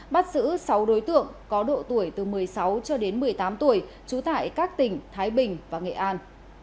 bắt giữ sáu đối tượng có độ tuổi từ một mươi sáu cho đến một mươi tám tuổi trú tại các tỉnh thái bình và nghệ an